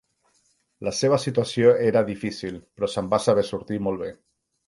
La seva situació era difícil, però se'n va saber sortir molt bé.